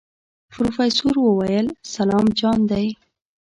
پروفيسر وويل سلام جان دی.